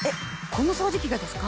この掃除機がですか？